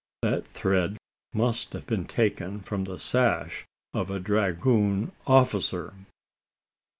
That thread must have been taken from the sash of a dragoon officer!